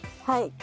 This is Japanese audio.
はい。